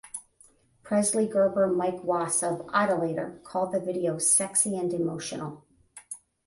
Presley Gerber Mike Wass of "Idolator" called the video "sexy and emotional".